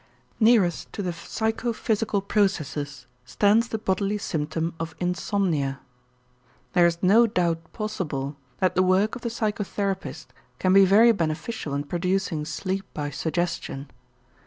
Nearest to the psychophysical processes stands the bodily symptom of insomnia. There is no doubt possible that the work of the psychotherapist can be very beneficial in producing sleep by suggestion.